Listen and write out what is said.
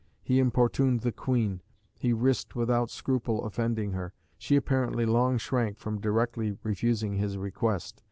He importuned the Queen. He risked without scruple offending her. She apparently long shrank from directly refusing his request.